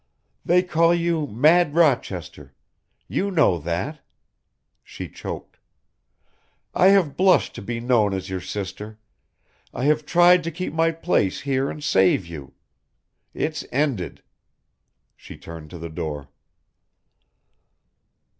They call you 'Mad Rochester'; you know that." She choked. "I have blushed to be known as your sister I have tried to keep my place here and save you. It's ended." She turned to the door.